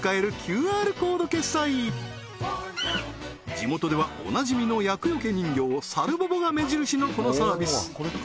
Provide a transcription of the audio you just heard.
地元ではおなじみの厄よけ人形さるぼぼが目印のこのサービス